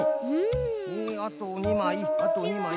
えあと２まいあと２まい。